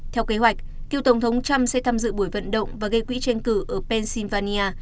theo kế hoạch cựu tổng thống trump sẽ tham dự buổi vận động và gây quỹ tranh cử ở pennsylvania